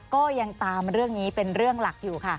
ก็ยังตามเรื่องนี้เป็นเรื่องหลักอยู่ค่ะ